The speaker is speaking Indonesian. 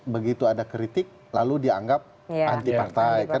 begitu ada kritik lalu dianggap anti partai